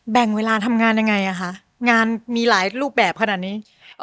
แบ่งเวลาทำงานยังไงอ่ะคะงานมีหลายรูปแบบขนาดนี้